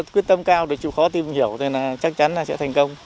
quyết tâm cao được chịu khó tìm hiểu nên là chắc chắn là sẽ thành công